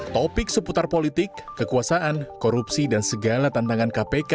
topik seputar politik kekuasaan korupsi dan segala tantangan kpk